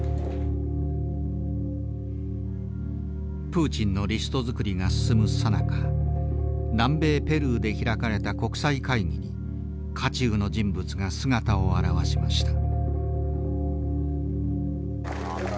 プーチンのリスト作りが進むさなか南米ペルーで開かれた国際会議に渦中の人物が姿を現しました。